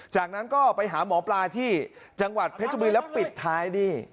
จากนั้นก็ไปหาหมอปลาที่จังหวัดเพชรบุรีแล้วปิดท้ายนี่